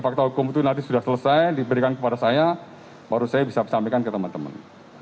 fakta hukum itu nanti sudah selesai diberikan kepada saya baru saya bisa sampaikan ke teman teman